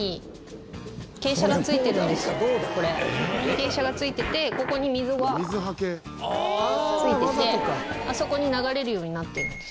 傾斜がついててここに溝がついててあそこに流れるようになってるんです。